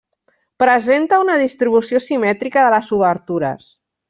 Presenta una distribució simètrica de les obertures.